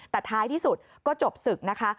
แต่ท้ายที่สุดก็จบศึกนะคะ